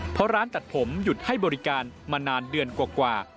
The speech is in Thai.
เพราะร้านตัดผมหยุดให้บริการมานานเดือนกว่า